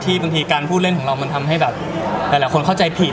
บางทีการพูดเล่นของเรามันทำให้แบบหลายคนเข้าใจผิด